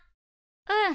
うん。